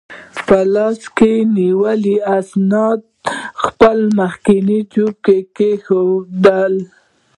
په لاس کې نیولي اسناد یې خپل مخکني جیب کې کېښوول.